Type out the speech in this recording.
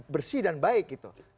bersih dan baik gitu